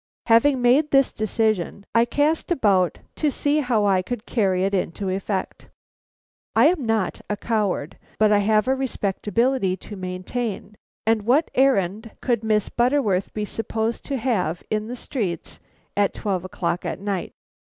Having made this decision, I cast about to see how I could carry it into effect. I am not a coward, but I have a respectability to maintain, and what errand could Miss Butterworth be supposed to have in the streets at twelve o'clock at night!